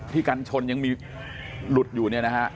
ที่กันชนยังมีหลุดอยู่